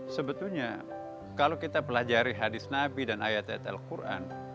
sebetulnya kalau kita pelajari hadis nabi dan ayat ayat al quran